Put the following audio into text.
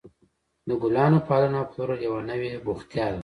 د ګلانو پالنه او پلورل یوه نوې بوختیا ده.